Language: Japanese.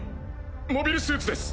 モビルスーツです。